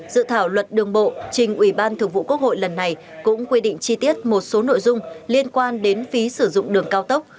dự thảo luật đường bộ trình ủy ban thường vụ quốc hội lần này cũng quy định chi tiết một số nội dung liên quan đến phí sử dụng đường cao tốc